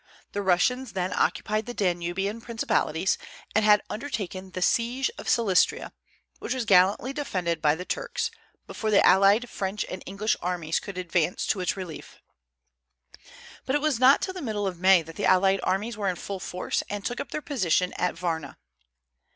The Russians then occupied the Danubian principalities, and had undertaken the siege of Silistria, which was gallantly defended by the Turks, before the allied French and English armies could advance to its relief; but it was not till the middle of May that the allied armies were in full force, and took up their position at Varna.